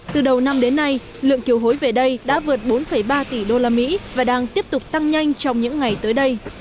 từ đầu năm đến nay lượng kiều hối về đây đã vượt bốn ba tỷ usd và đang tiếp tục tăng nhanh trong những ngày tới đây